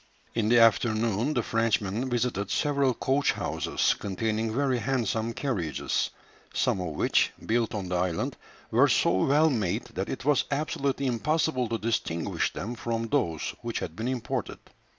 In the afternoon the Frenchmen visited several coach houses, containing very handsome carriages, some of which, built on the island, were so well made that it was absolutely impossible to distinguish them from those which had been imported.